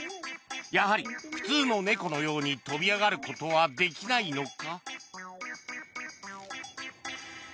やはり、普通の猫のように跳び上がることはできないのか。